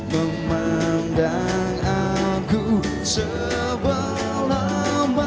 memandang aku sebelah mata